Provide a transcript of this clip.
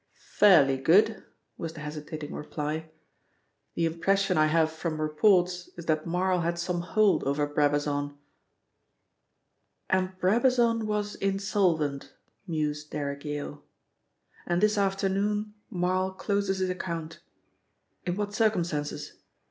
"Fairly good," was the hesitating reply. "The impression I have from reports is that Marl had some hold over Brabazon." "And Brabazon was insolvent," mused Derrick Yale. "And this afternoon Marl closes his account. In what circumstances?